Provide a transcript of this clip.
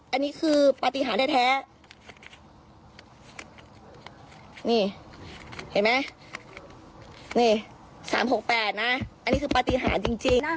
๓๖๘อันนี้คือปฏิหารแท้นี่เห็นไหม๓๖๘นะอันนี้คือปฏิหารจริง